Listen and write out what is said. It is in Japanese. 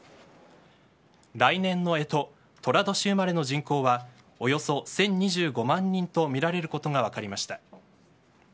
来年の干支寅年生まれの人口はおよそ１０２５万人とみられることが分かりました。